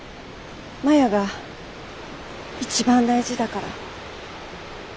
マヤが一番大事だから。